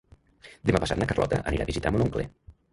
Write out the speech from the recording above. Demà passat na Carlota anirà a visitar mon oncle.